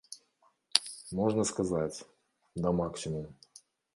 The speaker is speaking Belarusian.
Можна сказаць, да максімуму.